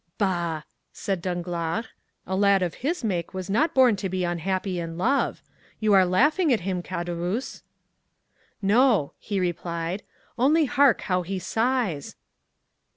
"Bah!" said Danglars, "a lad of his make was not born to be unhappy in love. You are laughing at him, Caderousse." "No," he replied, "only hark how he sighs!